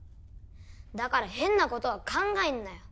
だから変なことは考えんなよ